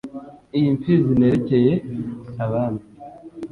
Iyi Mfizi nterekeye Abami